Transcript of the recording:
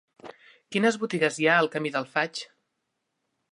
Quines botigues hi ha al camí del Faig?